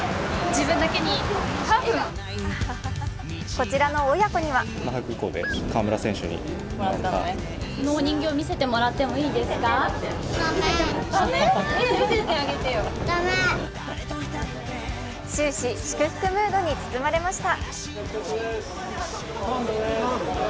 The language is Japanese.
こちらの親子には終始、祝福ムードに包まれました。